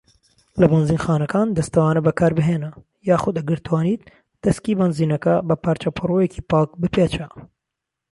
لە بەنزینخانەکان، دەستەوانە بەکاربهینە یاخود ئەگەر توانیت دەسکی بەنزینەکە بە پارچە پەڕۆیەکی پاک بپێچە.